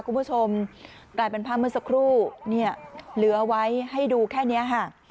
คุณผู้ชมกลายเป็นภาพเมื่อสักครู่เนี่ยเหลือไว้ให้ดูแค่นี้ค่ะ